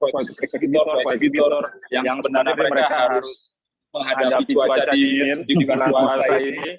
koeksekutor koeksekutor yang sebenarnya mereka harus menghadapi cuaca dingin di luar luar ini